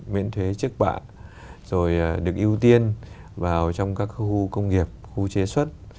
miễn thuế trước bạn rồi được ưu tiên vào trong các khu công nghiệp khu chế xuất